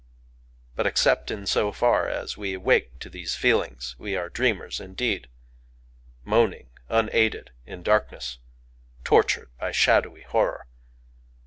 But, except in so far as we wake to these feelings, we are dreamers indeed,—moaning unaided in darkness,—tortured by shadowy horror.